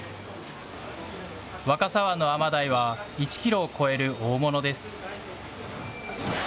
若狭湾のアマダイは、１キロを超える大物です。